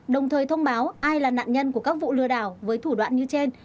đồng thời thông báo ai là nạn nhân của các vụ lừa đảo với thủ đoạn như trên